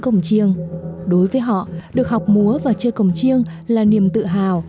công chiêng đối với họ được học múa và chơi công chiêng là niềm tự hào